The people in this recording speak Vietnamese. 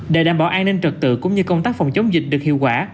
để đảm bảo an ninh trật tự cũng như công tác phòng chống dịch được hiệu quả